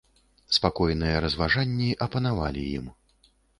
Спакойныя разважанні апанавалі ім.